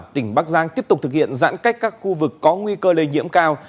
tỉnh bắc giang tiếp tục thực hiện giãn cách các khu vực có nguy cơ lây nhiễm cao